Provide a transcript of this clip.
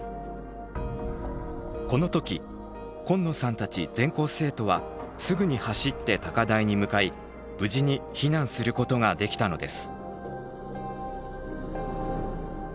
この時紺野さんたち全校生徒はすぐに走って高台に向かい無事に避難することができたのです。